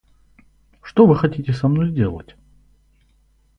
Что вы хотите со мной сделать?